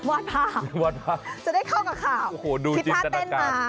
วาดภาพจะได้เข้ากับข่าวโอ้โหดูจินตนาการ